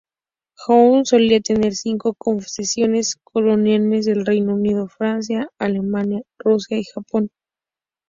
Hankou solía tener cinco concesiones coloniales del Reino Unido, Francia, Alemania, Rusia y Japón.